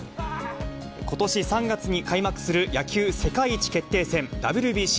ことし３月に開幕する野球世界一決定戦、ＷＢＣ。